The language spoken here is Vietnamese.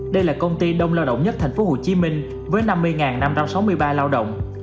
đây là công ty đông lao động nhất tp hcm với năm mươi năm trăm sáu mươi ba lao động